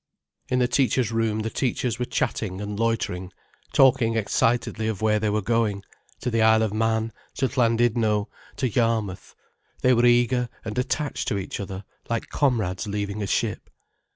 In the teachers' room the teachers were chatting and loitering, talking excitedly of where they were going: to the Isle of Man, to Llandudno, to Yarmouth. They were eager, and attached to each other, like comrades leaving a ship.